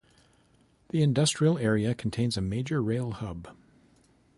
The industrial area contains a major rail hub.